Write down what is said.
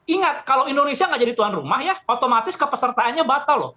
ingat kalau indonesia nggak jadi tuan rumah ya otomatis kepesertaannya batal loh